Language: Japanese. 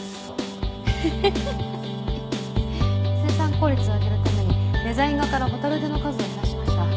生産効率を上げるためにデザイン画から蛍手の数を減らしました。